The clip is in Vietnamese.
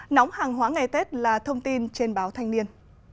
nóng hàng hóa ngày tết là thông tin trên báo thanh niên